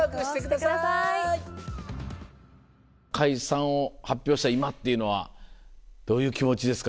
解散を発表した今っていうのはどういう気持ちですか？